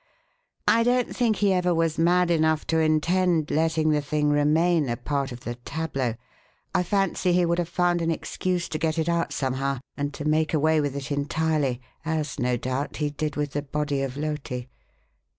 I don't think he ever was mad enough to intend letting the thing remain a part of the tableau. I fancy he would have found an excuse to get it out somehow and to make away with it entirely, as, no doubt, he did with the body of Loti.